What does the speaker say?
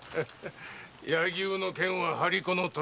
柳生の剣は張り子の虎か。